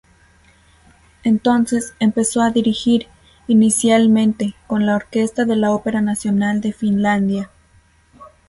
Entonces empezó a dirigir, inicialmente, con la Orquesta de la Ópera Nacional de Finlandia.